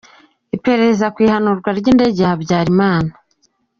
Iperereza ku ihanurwa ry’Indege ya Habyarimana